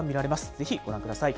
ぜひご覧ください。